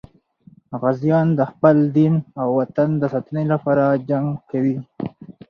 غازیان د خپل دین او وطن د ساتنې لپاره جنګ کوي.